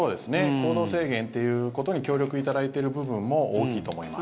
行動制限ということに協力いただいている部分も大きいと思います。